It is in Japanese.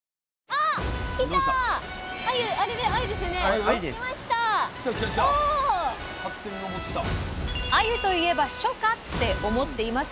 あゆといえば初夏って思っていませんか？